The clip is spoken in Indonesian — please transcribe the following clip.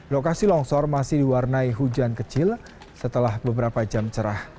lokasi longsor masih diwarnai hujan kecil setelah beberapa jam cerah